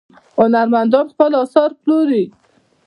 هنرمندان خپل اثار پلوري.